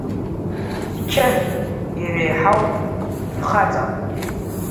Зқьы иреиҳауп, ихаҵа?!